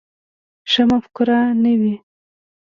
ښه مفکوره نه وي.